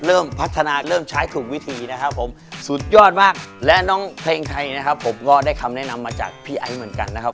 เริ่มพัฒนาเริ่มใช้ถูกวิธีนะครับผมสุดยอดมากและน้องเพลงไทยนะครับผมก็ได้คำแนะนำมาจากพี่ไอ้เหมือนกันนะครับ